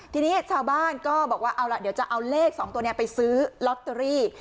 ทีนี้ชาวบ้านก็บอกว่าเอาล่ะเดี๋ยวจะเอาเลข๒ตัวนี้ไปซื้อลอตเตอรี่